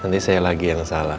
nanti saya lagi yang salah